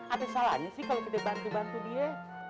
apa salahnya sih kalo kita bantu bantu dia